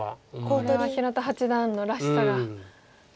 これは平田八段のらしさが。